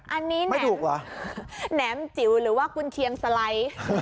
อันนี้แหน่มแหน่มจิ๋วหรือว่ากุญเคียงสไลด์